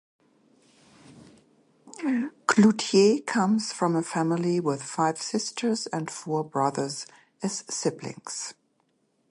Clouthier comes from a large family with five sisters and four brothers as siblings.